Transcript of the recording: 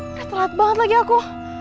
udah sehat banget lagi aku